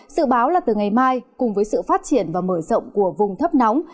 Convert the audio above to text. sự báo là từ ngày mai cùng với sự phát triển và mở rộng của vùng thấp nóng